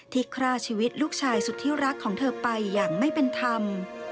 ฆ่าชีวิตลูกชายสุดที่รักของเธอไปอย่างไม่เป็นธรรม